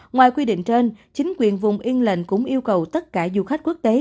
ngoài quy định trên chính quyền vùng yên lệnh cũng yêu cầu tất cả du khách quốc tế